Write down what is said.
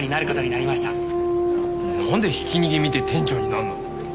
なんでひき逃げ見て店長になるの？